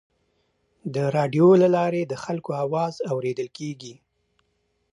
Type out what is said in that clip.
د راډیو له لارې د خلکو اواز اورېدل کېږي.